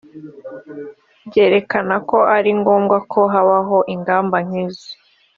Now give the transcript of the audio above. byerekanako ari ngombwa ko habaho ingamba nkizo